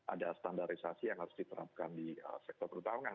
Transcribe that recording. ada standarisasi yang harus diterapkan di sektor pertarungan